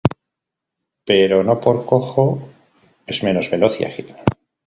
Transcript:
Pero no por cojo es menos veloz y ágil.